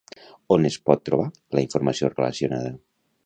On es pot trobar la informació relacionada?